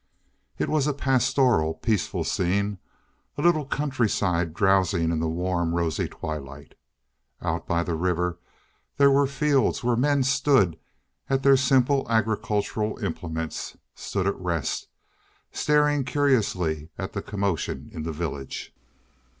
It was a pastoral, peaceful scene a little country side drowsing in the warm rosy twilight. Out by the river there were fields where men stood at their simple agricultural implements stood at rest, staring curiously at the commotion in the village.